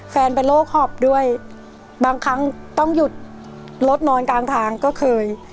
เป็นโรคหอบด้วยบางครั้งต้องหยุดรถนอนกลางทางก็เคย